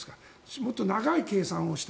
もっと長い計算をして。